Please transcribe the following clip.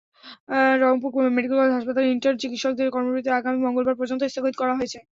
Rangpur medical college হাসপাতালে intern চিকিৎসকদের কর্মবিরতি আগামী মঙ্গলবার পর্যন্ত স্থগিত করা হয়েছে।